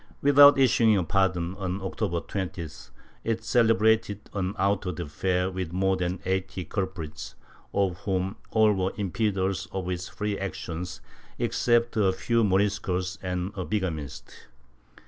Without issuing a pardon, on October 20th it celebrated an auto de fe with more than eighty culprits, of whom all were impeders of its free action, except a few Moriscos and a bigamist.